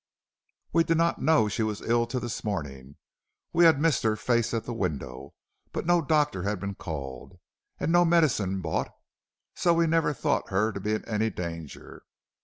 "'We did not know she was ill till this morning. We had missed her face at the window, but no doctor had been called, and no medicine bought, so we never thought her to be in any danger.